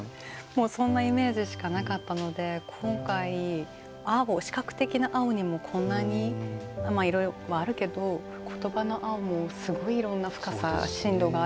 もうそんなイメージしかなかったので今回視覚的な青にもこんなにいろいろあるけど言葉の「青」もすごいいろんな深さ深度があるんだなと思って。